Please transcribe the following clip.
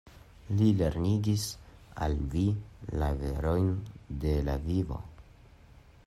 Li lernigis al vi la verojn de la vivo?